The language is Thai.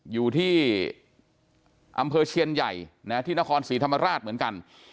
อยู่ที่อำเภอเชียนใหญ่ที่นครศรีธรรมราชเหมือนกัน